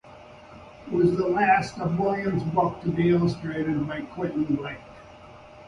It was the last of Walliams books to be illustrated by Quentin Blake.